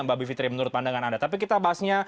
mbak bivitri menurut pandangan anda tapi kita bahasnya